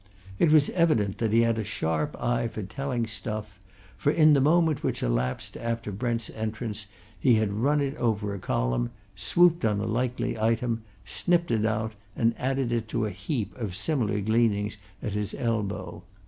It was evident that he had a sharp eye for telling stuff, for in the moment which elapsed after Brent's entrance he had run it over a column, swooped on a likely item, snipped it out and added it to a heap of similar gleanings at his elbow.